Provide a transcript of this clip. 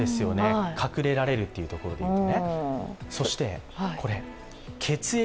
隠れられるというところでいうと。